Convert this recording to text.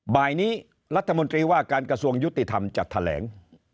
บ่ายนี้รัฐมนตรีว่าการกระทรวงยุติธรรมจะแถลง